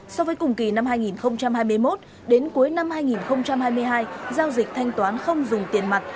so với cùng kỳ năm hai nghìn hai mươi một đến cuối năm hai nghìn hai mươi hai giao dịch thanh toán không dùng tiền mặt